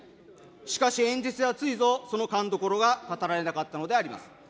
しかし、演説ではついぞその勘どころが語られなかったのであります。